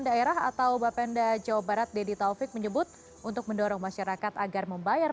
daerah atau bapenda jawa barat deddy taufik menyebut untuk mendorong masyarakat agar membayar